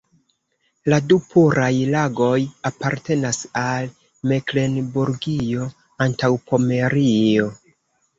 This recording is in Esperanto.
La du puraj lagoj apartenas al Meklenburgio-Antaŭpomerio.